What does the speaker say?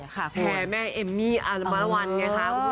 แชร์แม่เอมมี่อัลมารวัลไงค่ะคุณผู้ชม